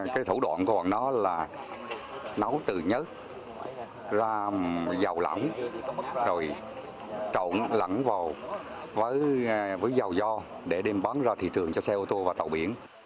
cái thủ đoạn của bọn nó là nấu từ nhất làm dầu lẳng rồi trộn lẳng vào với dầu do để đem bán ra thị trường cho xe ô tô và tàu biển